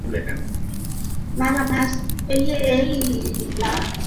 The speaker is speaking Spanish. Es conocido por interpretar a Bertram en la serie de televisión Jessie.